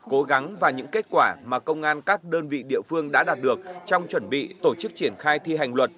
cố gắng và những kết quả mà công an các đơn vị địa phương đã đạt được trong chuẩn bị tổ chức triển khai thi hành luật